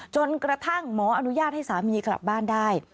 จนกระทั่งหมออนุญาตให้สามีกลับบ้านได้